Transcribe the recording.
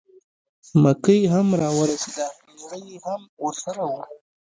مکۍ هم را ورسېده مېړه یې هم ورسره و.